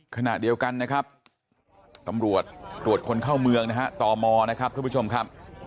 ขณะเดียวกันนะครับตำรวจตรวจคนเข้าเมืองนะฮะตมนะครับทุกผู้ชมครับ